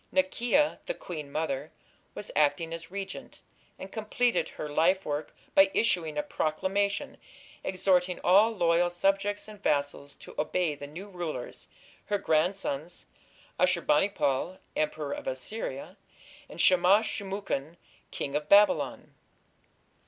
Naki'a, the queen mother, was acting as regent, and completed her lifework by issuing a proclamation exhorting all loyal subjects and vassals to obey the new rulers, her grandsons, Ashur bani pal, Emperor of Assyria, and Shamash shum ukin, King of Babylon.